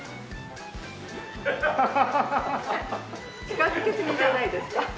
近づきすぎじゃないですか？